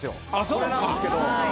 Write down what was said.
これなんですけど。